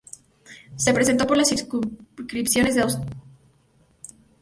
Se presentó por las circunscripciones de Asturias y Madrid.